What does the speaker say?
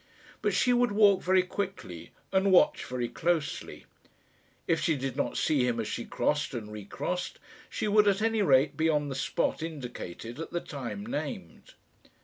But she would walk very quickly and watch very closely. If she did not see him as she crossed and recrossed, she would at any rate be on the spot indicated at the time named.